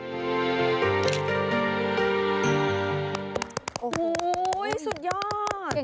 สุดยอด